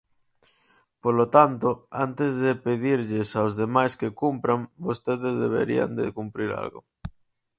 Polo tanto, antes de pedirlles aos demais que cumpran, vostedes deberían de cumprir algo.